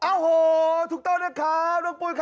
โอ้โหถูกต้อนรับด้วยครับลูกปุ๊ย